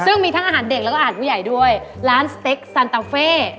ซึ่งมีทั้งอาหารเด็กแล้วก็อาหารผู้ใหญ่ด้วยร้านสเต็กซันตาเฟ่